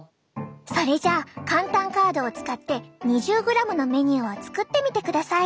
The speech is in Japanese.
それじゃあかん・たんカードを使って２０ｇのメニューを作ってみてください。